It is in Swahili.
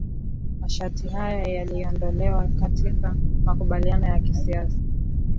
masharti haya yaliondolewa katika makubaliano ya kisiasa